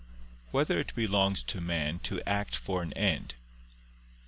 1] Whether It Belongs to Man to Act for an End?